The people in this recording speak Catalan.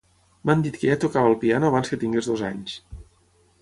M’han dit que ja tocava el piano abans que tingués dos anys.